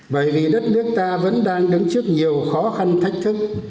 bởi vì đất nước ta vẫn đang đứng trước nhiều khó khăn thách thức